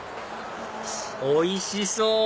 おいしそう！